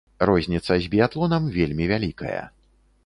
Розніца з біятлонам вельмі вялікая.